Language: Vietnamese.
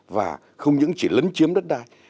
và không những chỉ lấn chiếm đất đai